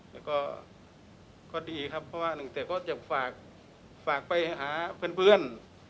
แล้วก็ดีครับเพราะว่าหนึ่งแต่ก็อยากฝากไปหาเพื่อน